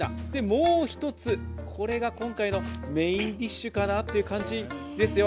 もう１つ、これが今回のメインディッシュかなという感じですよ。